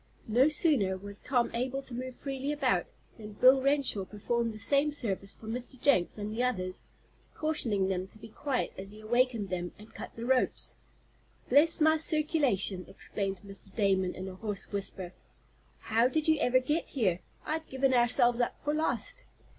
No sooner was Tom able to move freely about than Bill Renshaw performed the same service for Mr. Jenks and the others, cautioning them to be quiet as he awakened them, and cut the ropes. "Bless my circulation!" exclaimed Mr. Damon, in a hoarse whisper. "How did you ever get here. I'd given ourselves up for lost."